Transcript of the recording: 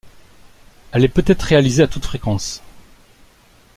Elle est peut-être réalisée à toutes fréquences.